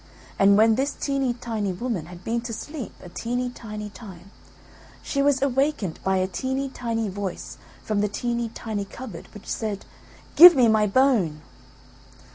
And when this teeny tiny woman had been to sleep a teeny tiny time, she was awakened by a teeny tiny voice from the teeny tiny cupboard, which said: "Give me my bone!"